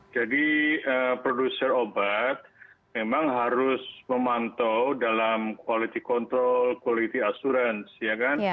jadi produser obat memang harus memantau dalam quality control quality assurance